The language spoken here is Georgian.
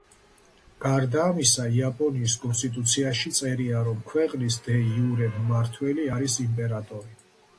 გარდა ამისა, იაპონიის კონსტიტუციაში წერია, რომ ქვეყნის დე-იურე მმართველი არის იმპერატორი.